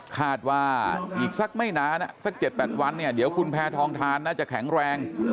คาดว่าอีกสักไม่นานสัก๗๘วันเนี่ยเดี๋ยวคุณแพทองทานน่าจะแข็งแรง